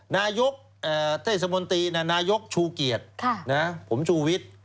นายกเทศมนตรีนายกชูเกียรติผมชูวิทย์